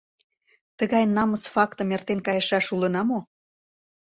Тыгай намыс фактым эртен кайышаш улына мо?